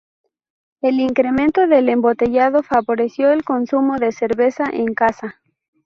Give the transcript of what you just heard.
El incremento del embotellado favoreció el consumo de cerveza en casa.